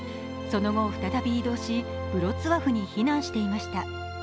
その後、再び移動しヴロツワフに非難していました。